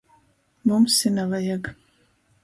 Mums i navajag...